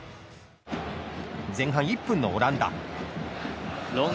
前半１分のオランダ。